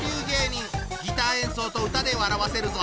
ギター演奏と歌で笑わせるぞ！